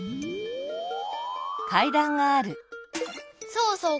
そうそう。